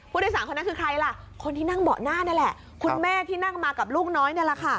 ผู้โดยสารคนนั้นคือใครล่ะคนที่นั่งเบาะหน้านี่แหละคุณแม่ที่นั่งมากับลูกน้อยนี่แหละค่ะ